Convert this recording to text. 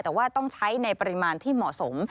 แต่ว่าต้องใช้ในปริมาณที่เหมาะสม